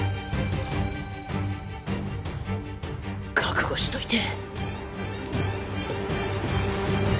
覚悟しといて。